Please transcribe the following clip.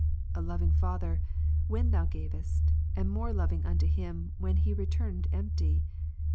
A loving Father, when Thou gavest, and more loving unto him, when he returned empty.